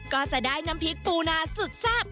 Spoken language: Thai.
ก็จะได้น้ำพริกปูนาสุดแซ่บ